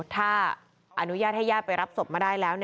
ถ้าอนุญาตให้ญาติไปรับศพมาได้แล้ว